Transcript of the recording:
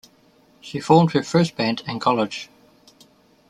She formed her first band in college.